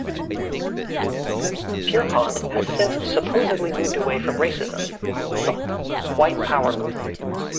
Pierpont has since supposedly moved away from racism and the white power movement.